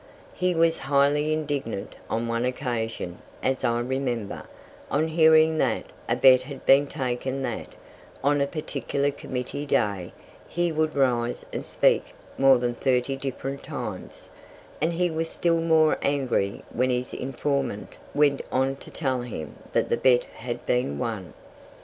He was highly indignant on one occasion, as I remember, on hearing that a bet had been taken that, on a particular Committee day, he would rise and speak more than thirty different times; and he was still more angry when his informant went on to tell him that the bet had been won.